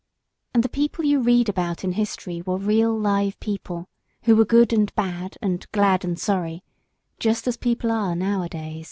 And the people you read about in history were real live people, who were good and bad, and glad and sorry, just as people are now a days.